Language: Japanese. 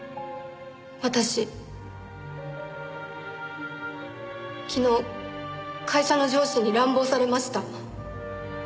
私昨日会社の上司に乱暴されました。